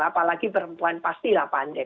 apalagi perempuan pastilah pandai